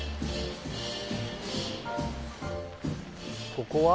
ここは？